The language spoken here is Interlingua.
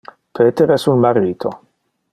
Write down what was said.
Peter es un marito.